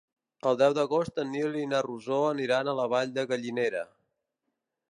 El deu d'agost en Nil i na Rosó aniran a la Vall de Gallinera.